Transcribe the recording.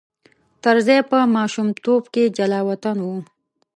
طرزی په ماشومتوب کې جلاوطن و.